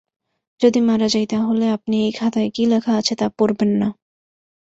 যদি মারা যাই তা হলে আপনি এই খাতায় কী লেখা আছে তা পড়বেন না।